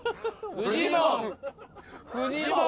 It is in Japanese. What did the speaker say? フジモン。